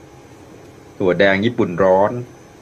- ถั่วแดงญี่ปุ่นร้อน